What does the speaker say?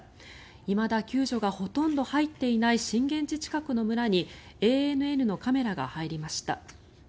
いまだ救助がほとんど入っていない震源地近くの村にＡＮＮのカメラが入りました。